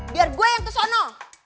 biar gue yang kesana